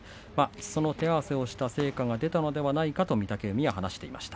その手合わせをした成果が出たのではないかと御嶽海が話していました。